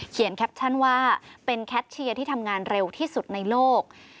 แคปชั่นว่าเป็นแคทเชียร์ที่ทำงานเร็วที่สุดในโลก